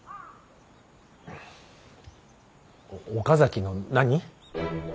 岡崎の何？